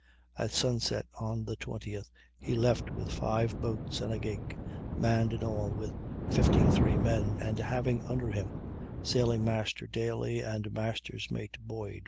At sunset on the 20th he left with five boats and a gig, manned in all with 53 men, and having under him Sailing master Daily and Master's Mate Boyd.